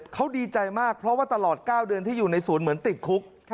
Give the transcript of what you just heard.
เขาดีใจมากเพราะว่าตลอด๙เดือนที่อยู่ในศูนย์เหมือนติดคุก